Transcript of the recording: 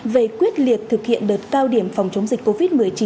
về quyết liệt thực hiện đợt cao điểm phòng chống dịch covid một mươi chín